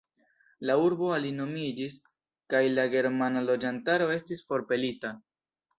La urbo alinomiĝis kaj la germana loĝantaro estis forpelita.